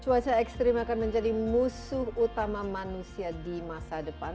cuaca ekstrim akan menjadi musuh utama manusia di masa depan